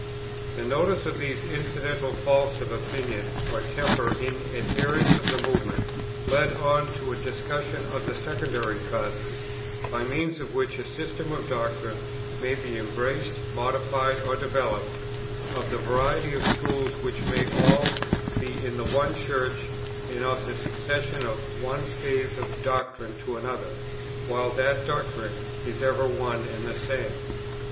The notice of these incidental faults of opinion or temper in adherents of the Movement, led on to a discussion of the secondary causes, by means of which a system of doctrine may be embraced, modified, or developed, of the variety of schools which may all be in the One Church, and of the succession of one phase of doctrine to another, while that doctrine is ever one and the same.